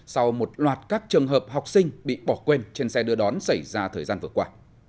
sau một loạt các trường hợp học sinh bị bỏ quên trên xe đưa đón xảy ra thời gian vừa qua